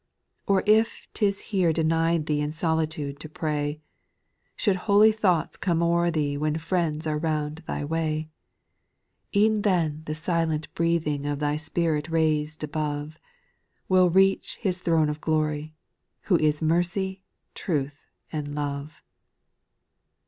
S Or if 't is here denied thee In solitude to pray, Should holy thoughts come o'er thee When friends are round thy way ; E'en then the silent breathing Of thy spirit raised above, Will reach His t' rone of glory. Who is mercy, truth, and love.